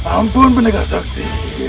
ampun menegar sakti